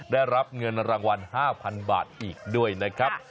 ได้รับเงินรางวัล๕๐๐๐บาทอีกด้วยนะครับ